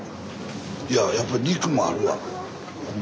いややっぱり肉もあるわ。